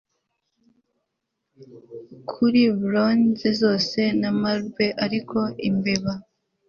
Kuri bronze zose na marble ariko imbeba